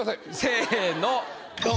せぇのドン！